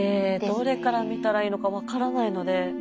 どれから見たらいいのか分からないので。